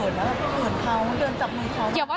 เดินจากเมืองเขา